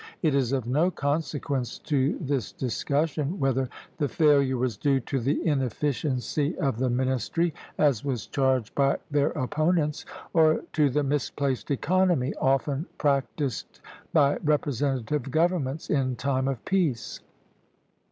It is of no consequence to this discussion whether the failure was due to the inefficiency of the ministry, as was charged by their opponents, or to the misplaced economy often practised by representative governments in time of peace.